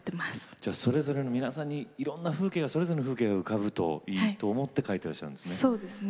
じゃそれぞれの皆さんにいろんな風景がそれぞれの風景が浮かぶといいと思って書いてらっしゃるんですね。